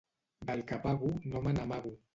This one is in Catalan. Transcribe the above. Del que pago no me n'amago.